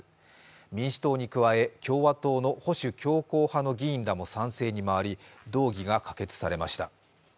民主党に加え、共和党の保守強硬派の議員も賛成に回り動議が可決されました。